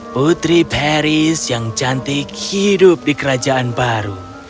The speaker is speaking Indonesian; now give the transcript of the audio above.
putri paris yang cantik hidup di kerajaan baru